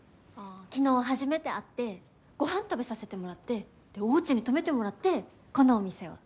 昨日初めて会ってごはん食べさせてもらってでおうちに泊めてもらってこのお店を。